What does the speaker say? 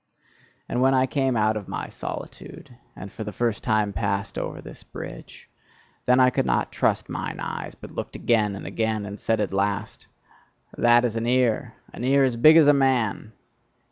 And when I came out of my solitude, and for the first time passed over this bridge, then I could not trust mine eyes, but looked again and again, and said at last: "That is an ear! An ear as big as a man!"